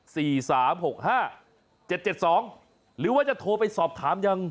สามหกห้าเจ็ดเจ็ดสองหรือว่าจะโทรไปสอบถามยัง